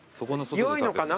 よいのかな？